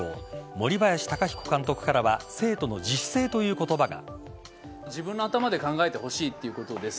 森林貴彦監督からは生徒の自主性という言葉が。